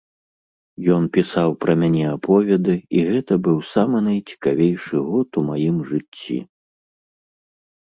Ён пісаў пра мяне аповеды, і гэта быў самы найцікавейшы год у маім жыцці.